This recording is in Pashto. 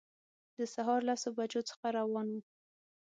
د سهار لسو بجو څخه روان وو.